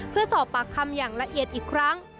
เพื่อสอบปากคำอย่างละเอียดอีกครั้ง